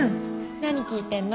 何聴いてんの？